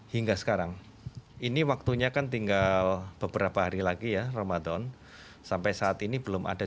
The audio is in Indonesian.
hingga sekarang ini waktunya kan tinggal beberapa hari lagi ya ramadan sampai saat ini belum ada